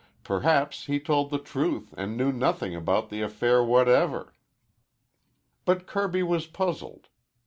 Perhaps he told the truth and knew nothing about the affair whatever. But Kirby was puzzled.